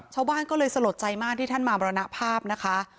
ชาวบ้านก็เลยสลดใจมากที่ท่านมามรณภาพนะคะ